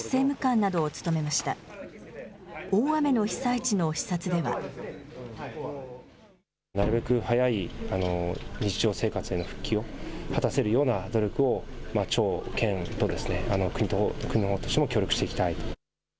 なるべく早い、日常生活への復帰を果たせるような努力を、町、県と、国のほうとしても協力していきたい。